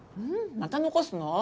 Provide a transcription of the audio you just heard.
また残すの？